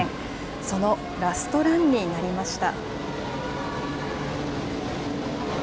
そのラストランになりました。